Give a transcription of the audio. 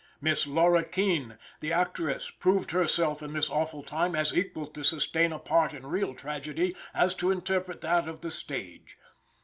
Miss Laura Keene, the actress, proved herself in this awful time as equal to sustain a part in real tragedy as to interpret that of the stage.